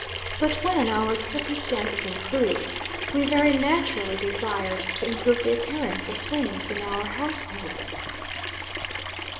But, when our circumstances improved, we very naturally desired to improve the appearance of things in our household.